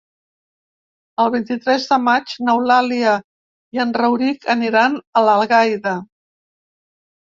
El vint-i-tres de maig n'Eulàlia i en Rauric aniran a Algaida.